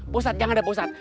pausat jangan deh pausat